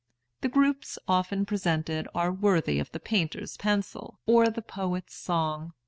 The groups often presented are worthy of the painter's pencil or the poet's song.